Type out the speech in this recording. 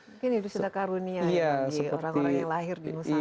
mungkin ini sudah karunia bagi orang orang yang lahir di nusantara